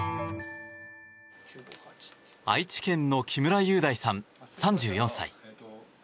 愛知県の木村雄大さん、３４歳。